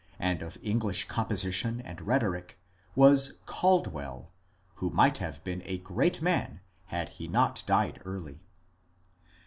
DANIEL CONWAY English composition and rhetoric, was Caldwell, who might have been a great man had he not died early.